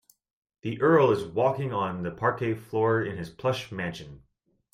The earl is walking on the parquet floor in his plush mansion.